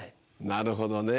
なるほどね